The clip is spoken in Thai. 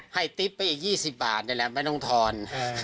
ติ๊บไปอีก๒๐บาทนี่แหละไม่ต้องทอน